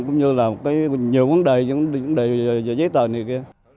cũng như là nhiều vấn đề vấn đề giấy tờ này kia